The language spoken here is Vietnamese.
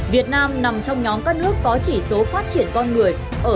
việt nam nằm trong nhóm các nước có chỉ số phát triển con người